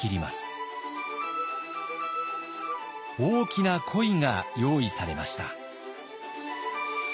大きな鯉が用意されました。